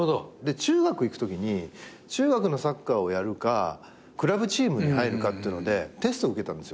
中学いくときに中学のサッカーをやるかクラブチームに入るかってのでテスト受けたんですよ